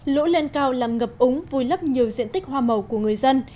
lũ lên cao làm ngập úng vùi lấp nhiều diện tích hoa màu của người dân